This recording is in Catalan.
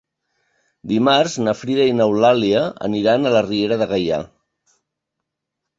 Dimarts na Frida i n'Eulàlia aniran a la Riera de Gaià.